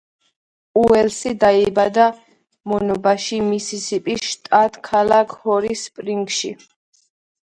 უელსი დაიბადა მონობაში მისისიპის შტატ ქალაქ ჰორი სპრინგში.